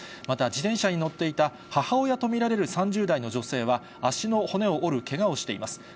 また、自転車に乗っていた母親と見られる３０代の女性は、足の骨を折るけがをしています。